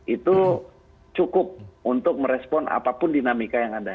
itu cukup untuk merespon apapun dinamika yang ada